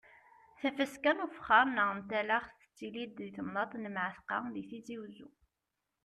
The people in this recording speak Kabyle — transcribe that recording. Tafaska n ufexxaṛ neɣ n talaxt tettili-d di temnaḍt n Mɛatqa di Tizi Wezzu.